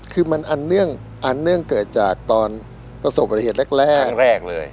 คือมันอันเนื่องอันเนื่องเกิดจากตอนประสบประเทศแรกแรกแรกเลย